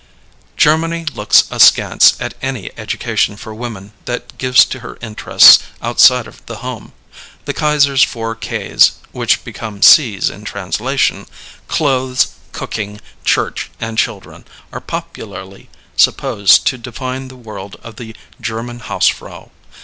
Germany looks askance at any education for woman that gives to her interests outside of the home. The Kaiser's four K's, which become C's in translation Clothes, Cooking, Church, and Children are popularly supposed to define the world of the German hausfrau.